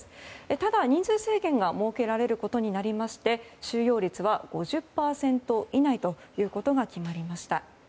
ただ、人数制限が設けられることになりまして収容率は５０％以内ということが決まりました。